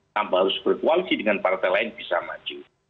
tanpa harus berkoalisi dengan partai lain bisa maju